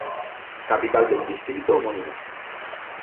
Capital del distrito homónimo.